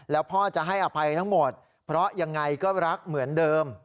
แล้วพ่อจะให้อภัยทั้งหมดเพราะยังไงก็รักเหมือนเดิม